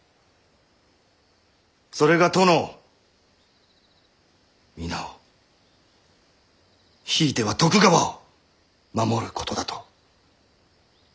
それが殿を皆をひいては徳川を守ることだと。